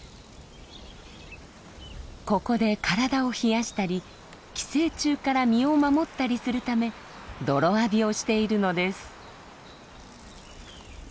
ここで体を冷やしたり寄生虫から身を守ったりするため泥浴びをしているのです。